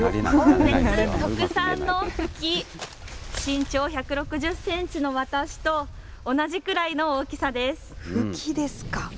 音別特産のフキ、身長１６０センチの私と同じくらいの大きさです。